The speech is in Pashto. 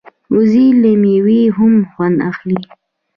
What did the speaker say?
وزې له مېوې هم خوند اخلي